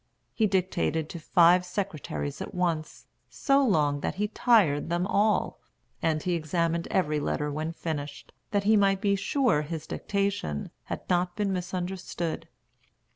He dictated to five secretaries at once, so long that he tired them all; and he examined every letter when finished, that he might be sure his dictation had not been misunderstood.